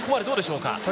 どうでしょうか。